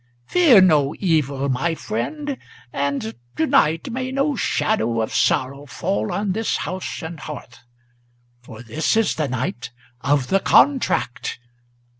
Fear no evil, my friend, and to night may no shadow of sorrow Fall on this house and hearth; for this is the night of the contract.